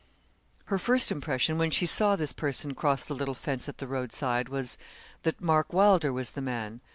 Her first impression, when she saw this person cross the little fence at the road side was, that Mark Wylder was the man.